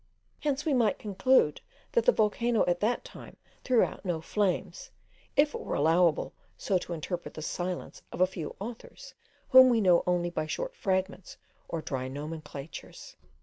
Hence we might conclude, that the volcano at that time threw out no flames, if it were allowable so to interpret the silence of a few authors, whom we know only by short fragments or dry nomenclatures.